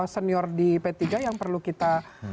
senior di p tiga yang perlu kita